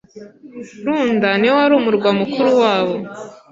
Runda ni wo wari umurwa mukuru wabo.